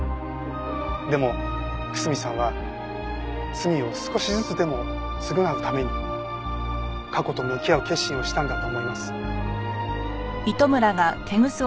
でも楠見さんは罪を少しずつでも償うために過去と向き合う決心をしたんだと思います。